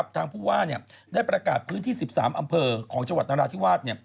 ทางผู้ว่าได้ประกาศพื้นที่๑๓อำเภอของจังหวัดนราธิวาส